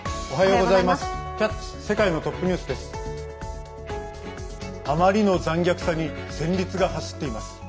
おはようございます。